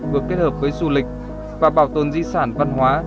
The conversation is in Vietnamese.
vừa kết hợp với du lịch và bảo tồn di sản văn hóa